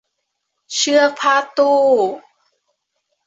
เชือกพาดตู้